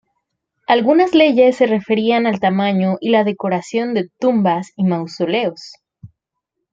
Algunas leyes se referían al tamaño y la decoración de tumbas y mausoleos.